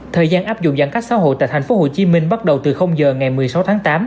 thời gian áp dụng giãn cách xã hội tại tp hcm bắt đầu từ giờ ngày một mươi sáu tháng tám